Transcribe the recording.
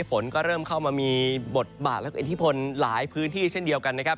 ฝนก็เริ่มเข้ามามีบทบาทและอิทธิพลหลายพื้นที่เช่นเดียวกันนะครับ